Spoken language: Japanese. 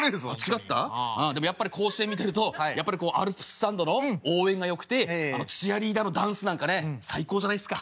でもやっぱり甲子園見てるとアルプススタンドの応援がよくてチアリーダーのダンスなんかね最高じゃないですか。